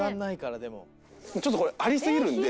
ちょっとこれあり過ぎるんで。